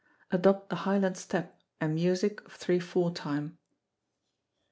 Adopt the Highland step, and music of three four time.